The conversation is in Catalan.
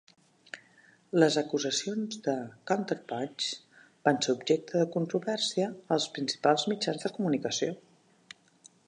Les acusacions de "CounterPunch" van ser objecte de controvèrsia als principals mitjans de comunicació.